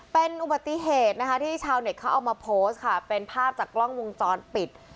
เป็นอุบัติเหตุนะคะที่ชาวเน็ตเขาเอามาโพสต์ค่ะเป็นภาพจากกล้องวงจรปิด